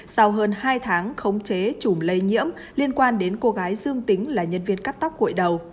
sau hơn hai tháng khống chế chùm lây nhiễm liên quan đến cô gái dương tính là nhân viên cắt tóc cội đầu